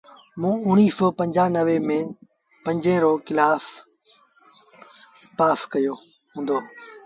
موݩ اُڻيٚه سو پنجآنويٚ ميݩ پنجون ڪلآس پآس ڪيو هُݩدو۔